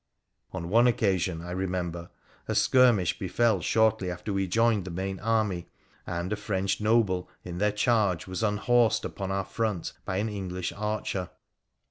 On one occasion, I remember, a skirmish befell shortly after we joined the main army, and a French noble, in their charge, was unhorsed upon our front by an English archer.